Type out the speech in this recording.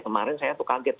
kemarin saya tuh kaget